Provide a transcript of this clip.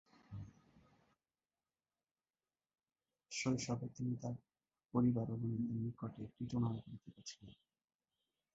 শৈশবে তিনি তার পরিবার ও বন্ধুদের নিকটে "টিটো" নামে পরিচিত ছিলেন।